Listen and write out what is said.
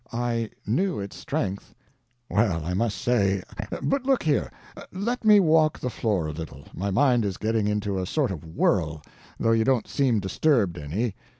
"I knew its strength." "Well, I must say but look here, let me walk the floor a little, my mind is getting into a sort of whirl, though you don't seem disturbed any.